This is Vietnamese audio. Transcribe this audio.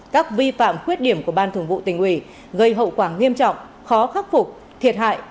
các vi phạm khuyết điểm của ban thường vụ tỉnh ủy gây hậu quả nghiêm trọng khó khắc phục thiệt hại